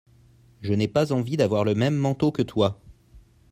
Je n'ai pas envie d'avoir le même manteau que toi.